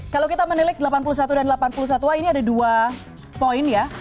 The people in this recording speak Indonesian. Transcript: kalau kita menilik delapan puluh satu dan delapan puluh satwa ini ada dua poin ya